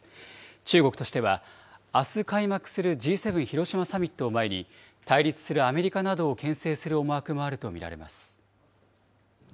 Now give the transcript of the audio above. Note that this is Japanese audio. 中国としては、あす開幕するＧ７広島サミットを前に、対立するアメリカなどをけん制する思惑もあると見られます。